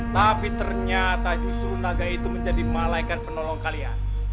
tapi ternyata justru naga itu menjadi malaikat penolong kalian